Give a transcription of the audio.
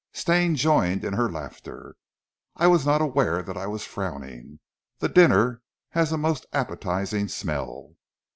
Stane joined in her laughter. "I was not aware that I was frowning. The dinner has a most appetising smell."